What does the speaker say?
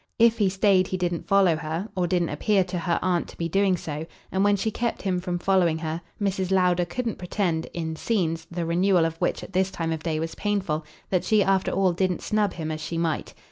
If he stayed he didn't follow her or didn't appear to her aunt to be doing so; and when she kept him from following her Mrs. Lowder couldn't pretend, in scenes, the renewal of which at this time of day was painful, that she after all didn't snub him as she might.